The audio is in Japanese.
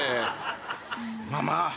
ママ。